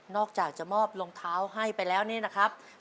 อกจากจะมอบรองเท้าให้ไปแล้วนี่นะครับ